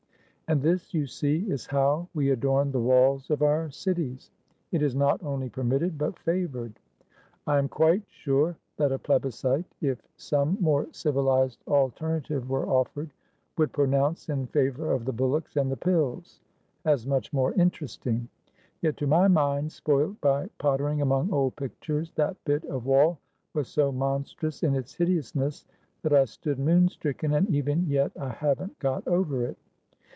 And this, you see, is how we adorn the walls of our cities. It is not only permitted, but favoured. I am quite sure that a plebiscite, if some more civilised alternative were offered, would pronounce in favor of the bullocks and the pills, as much more interesting. Yet to my mind, spoilt by pottering among old pictures, that bit of wall was so monstrous in its hideousness that I stood moon stricken, and even yet I haven't got over it.